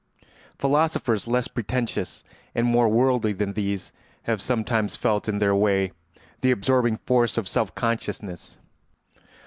] Philosophers less pretentious and more worldly than these have sometimes felt, in their way, the absorbing force of self consciousness.